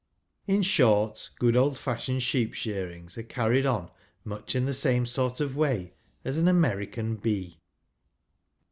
In short, good old fashioned sheep shearings are cai ried on much in the same sort of way as an ' American Bee.